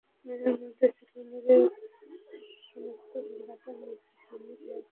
মেঘের মধ্যে ছিল নূরের স্তম্ভ এবং রাতে তাদের সামনে ছিল আগুনের স্তম্ভ।